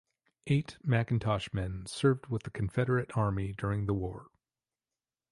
Eight McIntosh men served with the Confederate Army during the war.